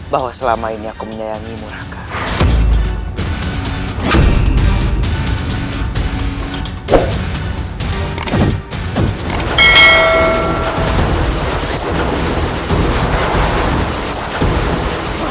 bahwa selama ini aku menyayangi murahkan